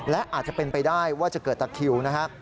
และอาจจะเป็นไปได้ว่าจะเกิดตะคิวนะครับ